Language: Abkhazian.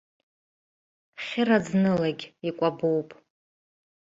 Хьы-раӡнылагь икәабоуп!